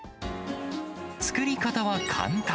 作り方は簡単。